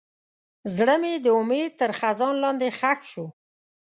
زړه مې د امید تر خزان لاندې ښخ دی.